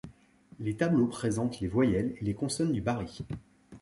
Les tableaux présentent les voyelles et les consonnes du bari.